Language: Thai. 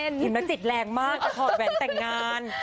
นักจิตแรงมากจะถอดแหวนแต่งงาน